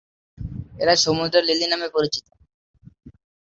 এরা সমুদ্রের লিলি নামে পরিচিত।